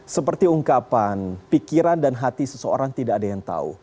seperti ungkapan pikiran dan hati seseorang tidak ada yang tahu